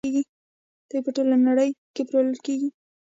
دوی په ټوله نړۍ کې پلورل کیږي.